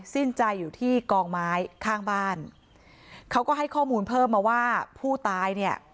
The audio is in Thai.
สิ้นใจอยู่ที่กองไม้ข้างบ้านเขาก็ให้ข้อมูลเพิ่มมาว่าผู้ตายเนี่ย